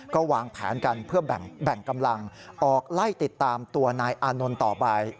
ก็วางแผนกันเพื่อแบ่งกำลังออกไล่ติดตามตัวนายอานนท์ต่อไป